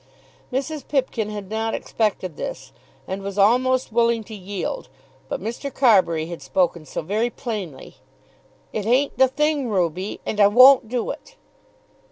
Mrs. Pipkin had not expected this, and was almost willing to yield. But Mr. Carbury had spoken so very plainly! "It ain't the thing, Ruby; and I won't do it."